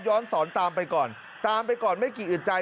สอนตามไปก่อนตามไปก่อนไม่กี่อึดใจ